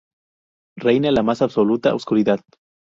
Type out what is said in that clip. Reina la más absoluta oscuridad.